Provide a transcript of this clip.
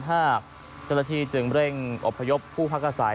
เจ้าหน้าที่จึงเร่งอบพยพผู้พักอาศัย